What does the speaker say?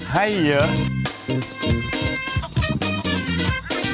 ให้เยอะ